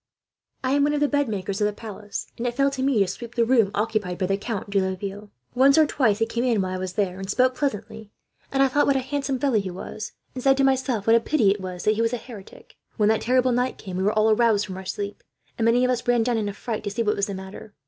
"'I am one of the bedmakers of the palace, and it fell to me to sweep the room occupied by the Count de Laville. Once or twice he came in, while I was there, and spoke pleasantly; and I thought what a handsome fellow he was, and said to myself what a pity it was that he was a heretic. When that terrible night came, we were all aroused from our sleep, and many of us ran down in a fright to see what was the matter.